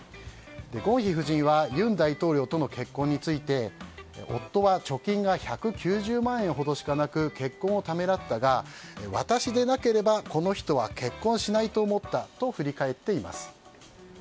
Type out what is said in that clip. ゴンヒ夫人は尹大統領との結婚について夫は貯金が１９０万円ほどしかなく結婚をためらったが私でなければこの人は結婚しないと思ったと振り返っています。